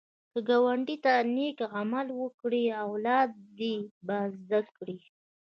که ګاونډي ته نېک عمل وکړې، اولاد دې به زده کړي